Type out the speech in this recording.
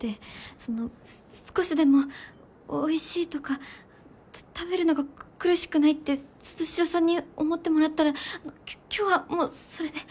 その少しでもおいしいとか食べるのが苦しくないって鈴代さんに思ってもらったら今日はもうそれで。